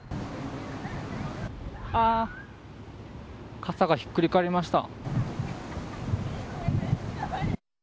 あ、傘がひっくり返りました。